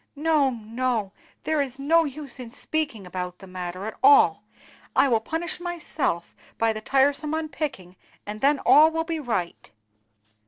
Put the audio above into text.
No, no, there is no use in speaking about the matter at all; I will punish myself by the tiresome unpicking, and then all will be right."